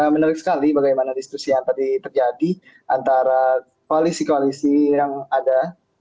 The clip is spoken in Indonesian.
menarik sekali bagaimana diskusi yang tadi terjadi antara koalisi koalisi yang ada